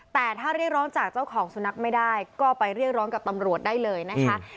แต่ถ้าเรียกร้องจากเจ้าของสุนัขไม่ได้ก็ไปเรียกร้องกับตำรวจได้เลยนะคะ